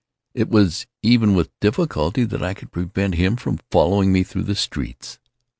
It was even with difficulty that I could prevent him from following me through the streets.